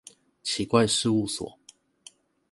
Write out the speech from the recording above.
怪奇事物所